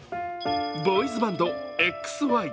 ボーイズバンド・ＸＹ。